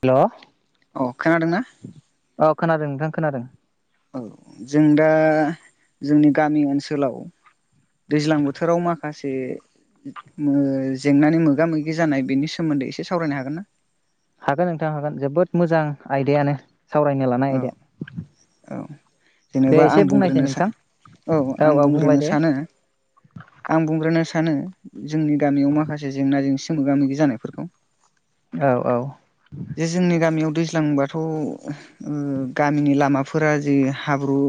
हेल' अ खोनादोंना? औ खोनादों नोंथां खोनादों। औ जों दा जोंनि गामि ओनसोलाव दैज्लां बोथोराव माखासे मो जेंनानि मोगा मोगि जानाय बेनि सोमोन्दै एसे सावरायनो हागोन ना? हागोन नोंथां हागोन जोबोद मोजां आयदायानो सावरायनो लानाय औ आयदाया औ दे जेनेबा आं एसे बुंनायसै बुंग्रोनो सै नोंथां औ आं बुंग्रोनो सानो आं बुंग्रोनो सा नो जोंनि गामियाव माखासे जेंना जेंसि मोगा-मोगि जानायफोरखौ औ औ जे जोंनि गामियाव दैज्लांबाथ' ओ गामिनि लामाफोरा जि हाब्रु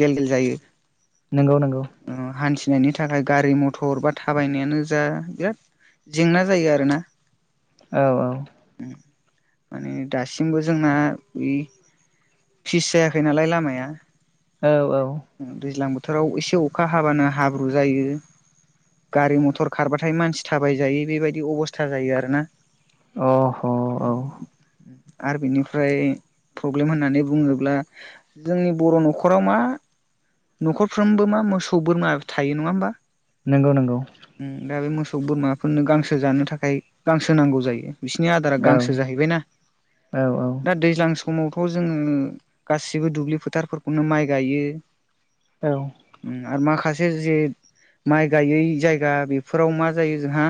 गेल गेल जायो। नोंगौ नोंगौ फिनायनि थाखाय गारि मथर बा थाबायनायानो जा बिराद जेंना जायो आरोना औ औ माने दासिमबो जोंना बे फिस जायाखै नालाय लामाया औ औ दैज्लां बोथोराव एसे अखा हाबानो हाब्रु जायो गारि मथर खारबाथाय मानसि थाबाय जायि बेबायदि अबस्था जायो आरोना अ औ आरो बिनिफ्राय प्रब्लेम होननानै बुङोब्ला जोंनि बर' न'खराव मा न'खरफ्रोमबो मा मोसौ बोरमा थायो नङा होमबा नंगौ नंगौ। सौ बोरमाफोरनो गांसो जानो थाखाय गांसो नांगौ जायो बिसनिया औ गांसो जाहैबायना औ औ दा दैज्लां समावथ' जोङो गासिबो दुब्लि फोथारफोरखौनो माइ गायो। उम आरो माखासि जे जे माइ गायै जायगा बेफोराव मा जायो जोंहा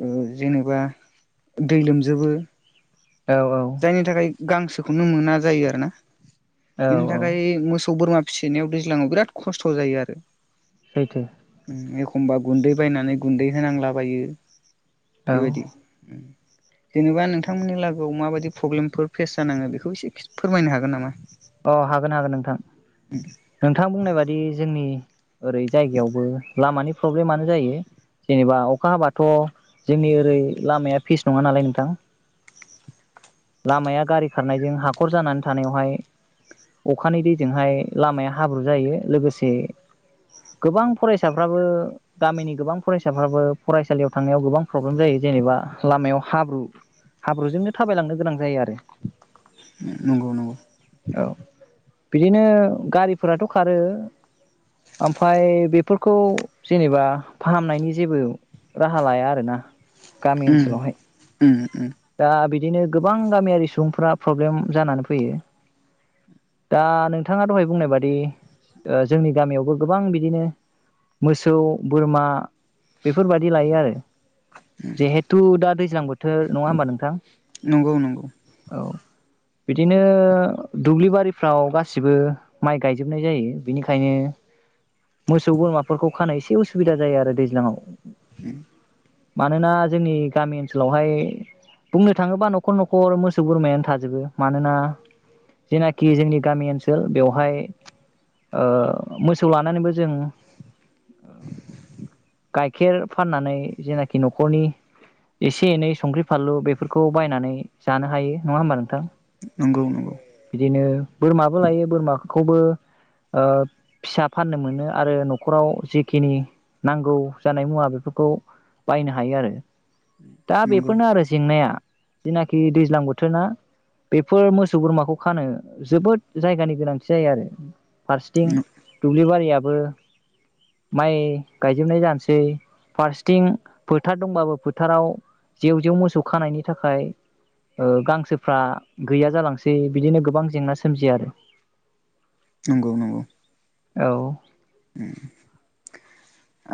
ओ जेनेबा दै लोम जोबो औ औ जायनि थाखाय गांसोखौनो मोना जायो आरो ना औ बिनि औ थाखाय मोसौ बोरमा फिसिनायाव दैज्लाङाव बिराद खस्थ' जायो आरो सैथो। उम एखमबा गुन्दै बायनानै गुन्दै होनांलाबायो। औ बेबायदि उम। जेनेबा नोंथांमोननि लागोआव माबायदि फ्रब्लेमफोर फेस जानाङो बेखौ एसे फोरमायनो हागोन नामा? अ हागोन हागोन नोंथां नोंथां बुंनाय बादि जोंनि ओरै जायगायावबो लामानि प्रब्लेमानो जायो। जेनेबा अखा हाबाथ' जोंनि ओरै लामाया फिस नङा नालाय नोंथां। लामाया गारि खारनायजों हाखर जानानै थानायावहाय अखानि दैजोंहाय लामाया हाब्रु जायो लोगोसे गोबां फरायसाफ्राबो गामिनि गोबां फरायसाफ्राबो फरायसालियाव थांनायाव गोबां प्रब्लेम जायो जेनेबा लामायाव हाब्रु हाब्रुजोंनो थाबायलांनो गोनां जायो आरो नंगौ नंगौ। औ बिदिनो गारिफोराथ' खारो ओमफ्राय बेफोरखौ जेनेबा फाहामनायनि जेबो राहा लाया आरोना। गामि उम ओनसोलावहाय उम उम दा बि दिनो गोबां गामियारि सुबुंफ्रा प्रब्लेम जानानै फैयो। दा नोंथाङा दहाय बुंनाय बादि जोंनि गामियावबो गोबां बिदिनो मोसौ, बोरमा बेफोरबादि लायो आरो जिहेथु दा दै ज्लां बोथोर नङा होमबा नोंथां नंगौ नंगौ। अ बिदिनो दुब्लि बारिफ्राव गासिबो माइ गायजोबनाय जायो। बिनिखायनो मोसौ बोरमाफोरखौ खानाय एसे उसुबिदा जायो आरो दैज्लाङाव। उम मानोना जोंनि गामि ओनसोलावहाय बुंनो थाङोबा न' खर न'खर मोसौ बोरमायानो थाजोबो। मानोना जेनाखि जोंनि गामि ओनसोल बेवहाय ओ मोसौ लानानैबो जों गाइखेर फाननानै जेनाखि न'खरनि एसे एनै संख्रि फानलु बेफोरखौ बायनानै जानो हायो नङा होमबा नोंथां। नंगौ बिदिनो बोरमाबो लायो बोरमा खौबो फिसा फाननो मोनो आरो न'खराव जेखिनि नांगौ जानाय मुवा बेफोरखौ बायनो हायो आरो दा नंगौ बेफोरनो आरो जेंनाया। जेनाखि दैज्लां बोथोर ना बेफोर मोसौ बोरमाखौ खानो जोबोद जायगानि गोनांथि जायो आरो फारसेथिं नंगौ दुब्लिबारिया बो माइ गायजोबनाय जानोसै फारसेथिं फोथार दंबाबो फोथाराव जेव जेव मोसौ खानायनि थाखाय ओ गांसोफ्रा गैया जालांसै बिदिनो गोबां जेंना सोमजियो आरो नंगौ नंगौ औ उम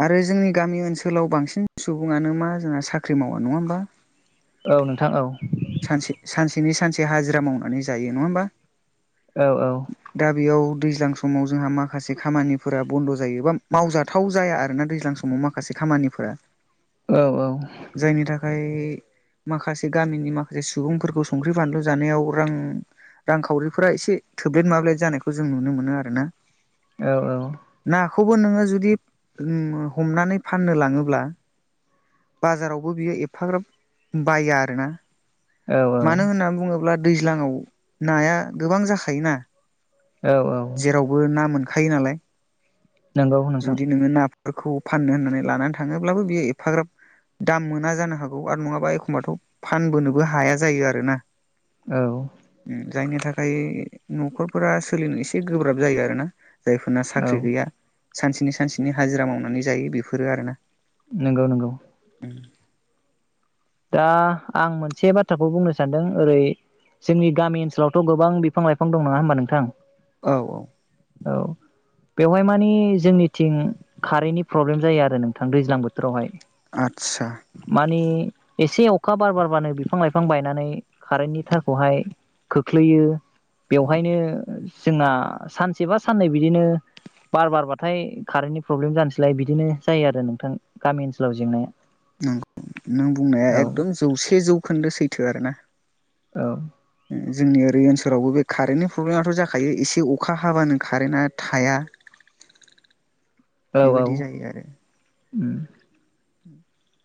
आरो जोंनि गामि ओनसोलाव बांसिन सुबुङानो मा जोंना साख्रि मावा नङा होमबा औ नोंथां औ सानसे सानसेनि सानसे हाजिरा मावनानै जायो नङा होमबा औ औ दा बेयाव दैज्लां समाव जोंहा माखासे खामानिफोरा बन्द' जायोबा मावजाथाव जाया आरोना दैज्लां समाव माखासे खामानिफोरा औ औ ओमफ्राय माखासे गामिनि माखासे सुबुंफोरखौ संख्रि बानलु जानायाव रां रांखावरिफोरा एसे थोब्लेथ माब्लेद जानायखौ जों नुनो मोनो आरो ना औ औ खौबो नोङो जुदि हमनानै फाननो लाङोब्ला बाजारावबो बियो एफाग्राब बाया आरोना औ औ मानो होननानै बुङोब्ला दैज्लाङाव नाया गोबां जाखा थायोना औ औ जेरावबो ना मोन खायो नालाय नंगौ नोंथां फोरखौ फाननो होननानै लानानै थाङोब्लाबो बियो एफाग्राब दाम मोना जानो हागौ आरो नङाबा एखम्बाथ' फानबोनोबो हाया जायो आरोना औ जायनि थाखाय न'खरफोरा सोलिनो एसे गोब्राब जायो आरो ना जायफोरना औ साख्रि गैया सानसेनि सानसेनि हाजिरा मावनानै जायो बेफोरो आरोना । नोंगौ नोंगौ । उम दा आं मोनसे बाथ्राखौ बुंनो सानदों ओरै जोंनि गामि ओनसोलावथ' गोबां बिफां लाइफां दं नङा होमबा नोंथां? औ औ औ बेवहाय मानि जोंनिथिं खारैयनि प्रब्लेम जायो आरो नोंथां दैज्लां बोथोरावहाय । आदसा । एसे अखा बार बारबानो बिफां लाइफां बायनानै खारेन्टनि थारखौहाय खोख्लैयो। बेवहायनो जोंना सान सेबा साननै बिदिनो बार बारबाथाय कारेन्टनि प्रब्लेम जानोसैलाय बिदिनो जायो आरो नोंथां गामि ओनसोलाव जेंनाया । नंगौ नों बुंनाया एकदम जौसे जौ खोन्दो सैथो आरो ना । औ उम जोंनि ओरै ओनसोलावबो बे कारेन्टनि प्रब्लेमाथ' जाखायो एसे अखा हाबानो कारेन्टआ थाया। औ औ बेबायदि जायो आरो। उम [inaudible]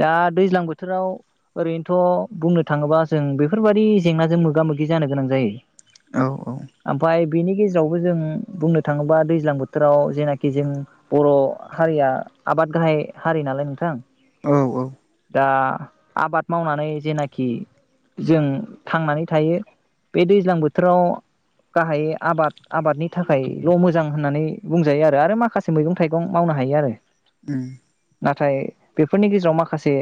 दा दैज्लां बोथोराव ओरैनोथ' बुंनो थाङोबा जों बेफोरबादि जेंनाजों मोगा मोगि जानो गोनां जायो औ औ । ओमफाय बेनि गेजेरावबो जों बुंनो थाङोबा दैज्लां बोथोराव जेनाखि जों बर' हारिया आबाद गाहाय हारि नालाय नोंथां । औ औ दा आबाद मावनानै जेनाखि जों थांनानै थायो बे दैज्लां बोथोराव गाहायै आबाद आबादनि थाखायल' मोजां होननानै बुंजायो आरो आरो माखासे मैगं थाइगं मावनो हायो आरो । उम नाथाय बेफोरनि गेजेराव मा खासे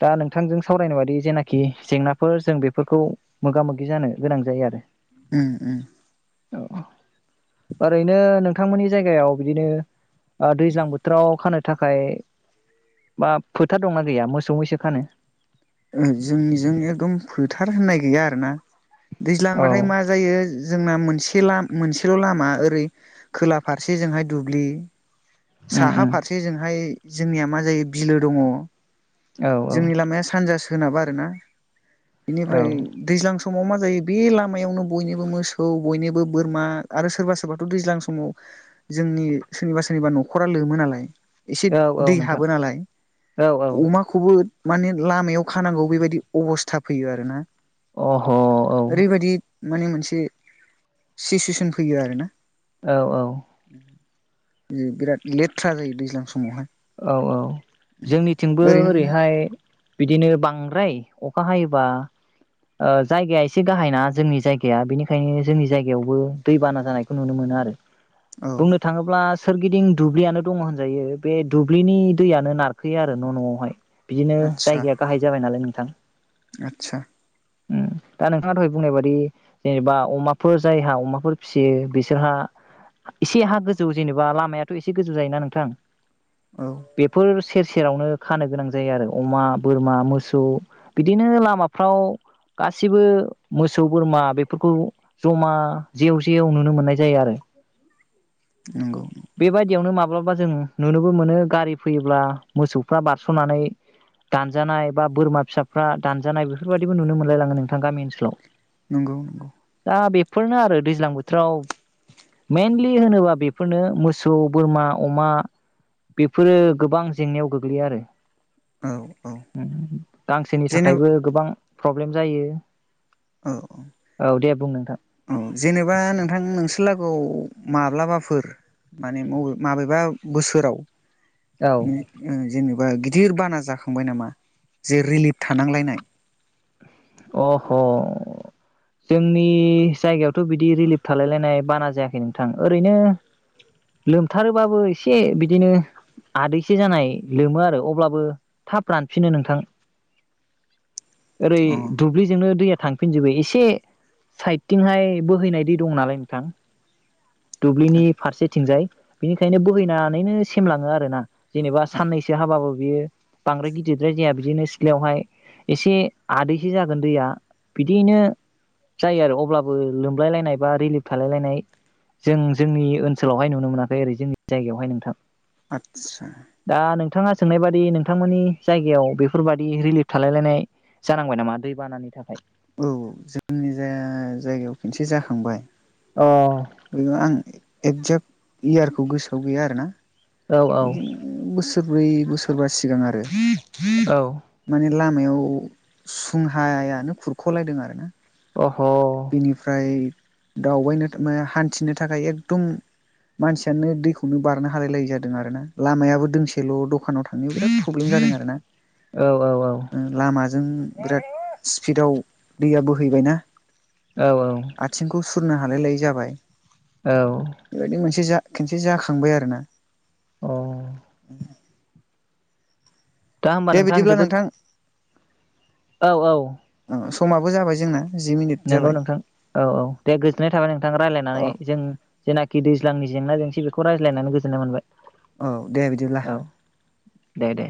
दा नोंथांजों सावरायनाय बादि जेनाखि जेंनाफोर जों बेफोरखौ मोगा मोगि जानो गोनां जायो आरो । उम उम औ ओरैनो नोंथांमोननि जायगायाव बिदिनो दैज्लां बोथोराव खानो थाखाय बा फो थार दंना गैया मोसौ मैसो खानो? उम जोंनिजों एकदम फोथार होननाय गैया आरो ना । औ दैज्लांबाथाय मा जायो जोंना मोनसे लाम मोनसेल' लामा ओरै खोला फारसेजोंहाय दुब्लि उम साहा उम फारसेजोंहाय जोंनिया मा जायो बिलो दङ । औ औ सोनाब आरोना। औ इनिफ्राय दैज्लां सम समाव मा जायो बे लामायावनो बयनिबो मोसौ बयनोबो बोरमा आरो सोरबा सोरबाथ' दैज्लां समाव जोंनि सोरनिबा सोरनिबा न'खरा लोमो नालाय एसे औ औ दै नोंथां हाबो नालाय औ औ अमाखौबो माने लामायाव खानांगौ बेबायदि अबस्था फैयो आरो ना। अह औ। माने मोनसे सिसुवेसन फैयो आर ना। औ औ बिराद लेथ्रा जायो दैज्लां समावहाय। औ औ जोंनिथिंबो ओरैनो ओरैहाय बिदिनो बांद्राय अखा हायोबा ओ जायगाया एसे गाहायना जोंनि जायगाया बेनिखायनो जोंनि जायगायावबो दैबाना जानायखौ नुनो मोनो आरो। औ बुंनो थाङोब्ला सोरगिदिं दुब्लियानो दङ होनजायो बे दुब्लिनि दैयानो नारखोयो आरो न' न'आवहाय। बिदिनो जायगाया गाहाय जाबाय नालाय नों थां आतसा उम दा नोंथाङा दहाय बुंनाय बादि जेनेबा अमाफोर जायहा अमाफोर फिसियो बिसोरहा एसे हा गोजौ जेनेबा लामायाथ' एसे गोजौ जायोना नोंथां औ बेफोर सेर सेरावनो खानो गोनां जायो आरो अमा बोरमा मोसौ बिदिनो लामाफ्राव गासिबो मोसौ बोरमा बेफोरखौ जमा जेव जेव नुनो मोननाय जायो आरो नंगौ बेबायदियावनो माबा ब्लाबा जों नुनोबो मोनो गारि फैयोब्ला मोसौफ्रा बारस'नानै दानजानाय बा बोरमा फिसाफ्रा दानजानाय बेफोरबायाददिबो नुनो मोनलायलाङो नोंथां गामि ओनसोलाव नंगौ नंगौ दा बेफोरनो आरो दैज्लां बोथोराव मेनलि होनोबा बेफोरनो मोसौ बोरमा अमा बेफोरो गोबां जेंनायाव गोग्लैयो आरो औ औ गांसोनि जेनेब थाखायबो गोबां प्रब्लेम जायो औ औ दे बुं नोंथां औ औ जेनेबा नोंथां नोंसोरलागोआव माब्लाबाफोर माने मबे माबेबा बोसोराव जेन बा गिदिर बाना जाखांबाय नामा जे रिलिफ थानांलायनाय अह' जोंनि जायगायावथ' बिदि रिलिफ थालायलायनाय बाना जायाखै नोंथां ओरैनो लोमथारोबाबो एसे बिदिनो आदैसे जानाय लोमो आरो अब्लाबो थाब रानफिनो नोंथां ओरै अ जोंनो दैया थांफिजोबोसे एसे साइटिंहाय बोहैनाय दै दं नालाय नोंथां दुब्लिनि फारसेथिंजाय बिनिखायनो बोहैनानैनो सेमलांङो आरोना जेनेबा साननैसो हाबाबो बियो बांद्राय गिदिद्राय जाया बिदिनो सिलायाव हाइ एसे आदै से जागोन दैया बिदियैनो जायो आरो अब्लाबो लोमलाय लायनाय बा रिलिफ थालाय लायनाय जों जोंनि ओनसोलावहाय नुनो मोनाखै ओरै जोंनि जायगायावहाय नोंथां आतसा दा नोंथाङा सोंनाय बादि नोंथांमोननि जायगायाव बेफोरबादि रिलिफ थालायलायनाय जानांबाय नामा दै बानानि थाखाय औ जोंनि जा जायगायाव खनसे जाखांबाय अ [unintelligible] एगजेक्ट इयारखौ गोसोआव गैया आरो ना औ बिदिनो बोसोरब्रै बोसोरबासे [unintelligible] औ लामायाव सुंहायानो खुर ख' लायदों आरो ना अह' औ बेनिफ्राय दावबायनो हान्थिनो थाखाय एकदम मानसियानो दैखौनो बारनो हालायलाय जादों आरोना लामायाबो दोंसेल' दख दखानाव थांनायाव बिराद प्रब्लेम जादों आरोना औ औ जों बिराद स्पिडाव दैया बोहैबायना? औ औ। खुरनो हालाय लायै जाबाय। बेबायदि मोनसे जा खनसे जाखांबाय आरो ना? [inaudible] औ अ दा होमबा नोंथां आं जोबोद औ औ। ओ समाबो जाबाय जोंना। जि मिनिट नंगौ जाबाय नोंथां औ औ दे गोजोननाय थाबाय नोंथां रायज्लायनानै औ जों जेनाखि दैज्लांनि जेंना जेंसि बेखौ रायज्लायनानै गोजोननाय मोनबाय। औ दे बिदिब्ला। औ दे दे